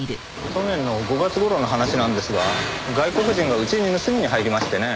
去年の５月頃の話なんですが外国人がうちに盗みに入りましてね。